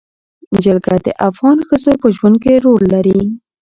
جلګه د افغان ښځو په ژوند کې رول لري.